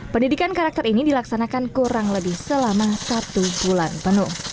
pendidikan karakter ini dilaksanakan kurang lebih selama satu bulan penuh